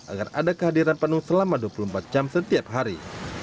agar ada kehadiran penuh selama dua puluh empat jam setiap hari